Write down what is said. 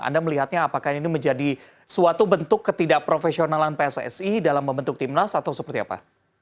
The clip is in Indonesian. anda melihatnya apakah ini menjadi suatu bentuk ketidakprofesionalan pssi dalam membentuk timnas atau seperti apa